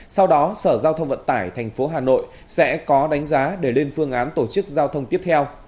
sau đó sở giao thông vận tải tp hà nội sẽ có đánh giá để lên phương án tổ chức giao thông tiếp theo